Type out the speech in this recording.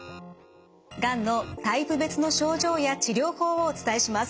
がんのタイプ別の症状や治療法をお伝えします。